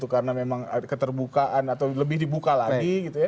karena memang keterbukaan atau lebih dibuka lagi